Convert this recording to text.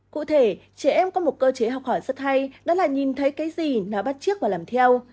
cụ thể trẻ em có một cơ chế học hỏi rất hay đó là nhìn thấy cái gì nó bắt trước và làm theo